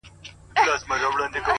لوړ اخلاق خاموش عزت دی؛